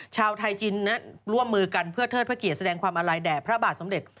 ชาวไทยจินร่วมมือกันเพื่อเทิดพระเกียรติแสดงความอาลัยแด่พระบาทสมเด็จ